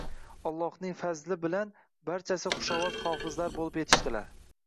Allohning fazli bilan barchasi xushovoz hofizlari boʻlib yetishdilar